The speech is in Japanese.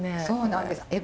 そうなんです。